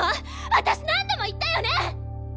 私何度も言ったよね？